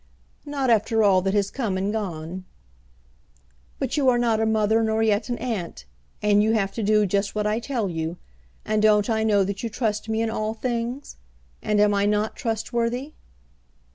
"Not after all that has come and gone." "But you are not a mother nor yet an aunt, and you have to do just what I tell you. And don't I know that you trust me in all things? And am I not trustworthy?"